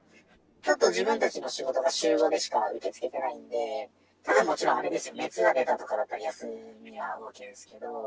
ちょっと自分たちの仕事が週５でしか受け付けてないんで、ただもちろん、あれですよ、熱が出たとかなら休みはＯＫですけど。